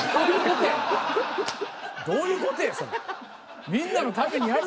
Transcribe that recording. どういう事やそれ。